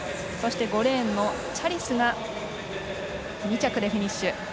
５レーンのチャリスが２着でフィニッシュ。